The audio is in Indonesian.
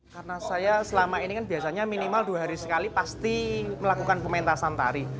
karena saya selama ini kan biasanya minimal dua hari sekali pasti melakukan pementasan tari